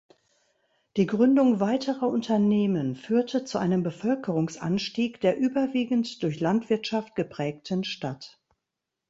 Die Gründung weiterer Unternehmen führte zu einem Bevölkerungsanstieg der überwiegend durch Landwirtschaft geprägten Stadt.